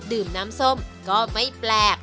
ดื่มน้ำส้มก็ไม่แปลก